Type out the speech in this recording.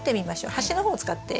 端の方を使って。